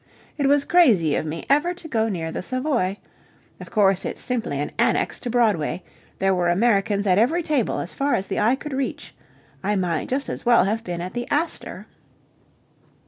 It was crazy of me ever to go near the Savoy. Of course, it's simply an annex to Broadway. There were Americans at every table as far as the eye could reach. I might just as well have been at the Astor.